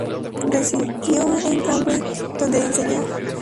Residió en Cambridge, donde enseñó.